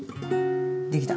できた。